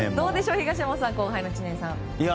東山さん後輩の知念さん。